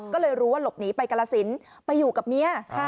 ก็เลยรู้ว่าหลบหนีไปกรสินไปอยู่กับเมีย